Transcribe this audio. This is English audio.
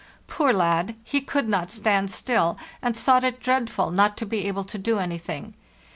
Poor lad! He could not stand still, and thought it dreadful not to be able to do anything.